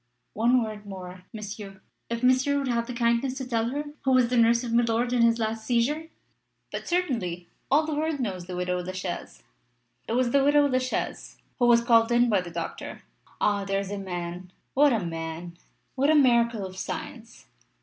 "One word more, Monsieur. If Monsieur would have the kindness to tell her who was the nurse of milord in his last seizure?" "But certainly. All the world knows the widow La Chaise. It was the widow La Chaise who was called in by the doctor. Ah! there is a man what a man! What a miracle of science!